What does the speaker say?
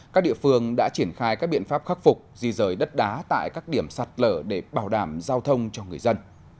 các địa phương đã triển khai các biện pháp khắc phục di rời đất đá tại các điểm sạt lở để bảo đảm giao thông cho người dân